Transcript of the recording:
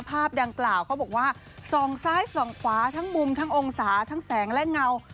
ภาพดังกล่าวเขาบอกว่าส่องซ้ายส่องขวาทั้งมุมทั้งองศาทั้งแสงและเงา